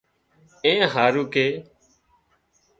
اي اين هارو ڪي